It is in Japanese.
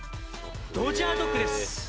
ドジャードッグです。